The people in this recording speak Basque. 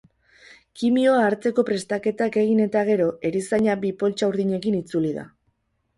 Kimioa hartzeko prestaketak egin eta gero, erizaina bi poltsa urdinekin itzuli da.